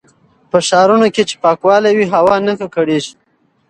په ښارونو کې چې پاکوالی وي، هوا نه ککړېږي.